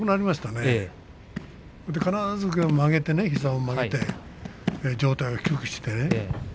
必ず膝を曲げて上体を低くしてね。